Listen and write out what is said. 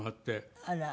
あら。